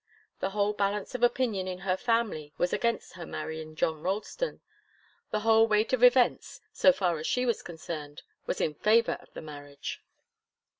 The whole balance of opinion in her family was against her marrying John Ralston. The whole weight of events, so far as she was concerned, was in favour of the marriage.